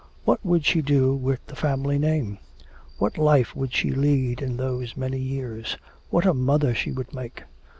What would she do with the family name? What life would she lead in those many years?... "What a mother she would make."